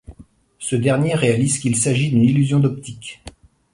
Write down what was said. Ce dernier réalise qu'il s'agit d'une illusion d'optique.